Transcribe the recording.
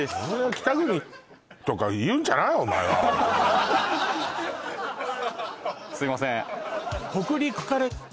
北国とか言うんじゃないお前はすいません